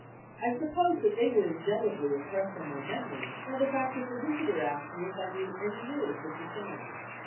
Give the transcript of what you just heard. I suppose that they were indeli bly impressed on my memory by the fact that the visitor asked me if I knew any of the words of the "song.